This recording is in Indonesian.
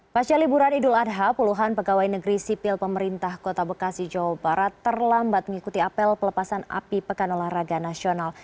pasca liburan idul adha puluhan pegawai negeri sipil pemerintah kota bekasi jawa barat terlambat mengikuti apel pelepasan api pekan olahraga nasional